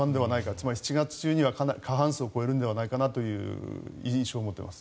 つまり７月中には過半数を超えるのではないかという印象を持っています。